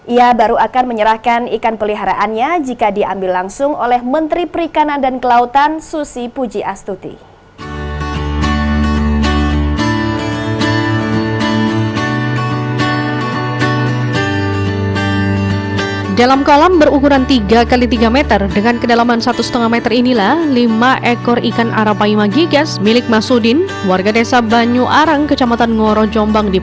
ia baru akan menyerahkan ikan peliharaannya jika diambil langsung oleh menteri perikanan dan kelautan susi puji astuti